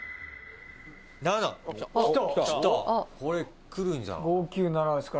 これくるんじゃない？」